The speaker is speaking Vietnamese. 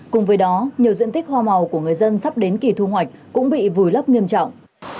cùng với đó nhiều diện tích hoa màu của người dân sắp đến kỳ thu hoạch cũng bị vùi lấp nghiêm trọng